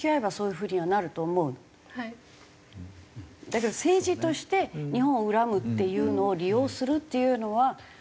だけど政治として日本を恨むっていうのを利用するっていうのは。